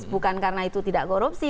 bukan karena itu tidak korupsi